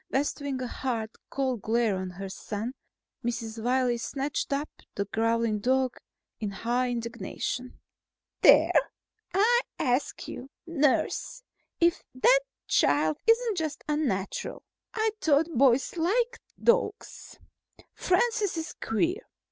Bestowing a hard, cold glare on her son, Mrs. Wiley snatched up the growling dog in high indignation. "There! I ask you, nurse, if that child isn't just unnatural. I thought boys liked dogs. Francis is queer.